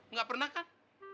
nggak pernah kan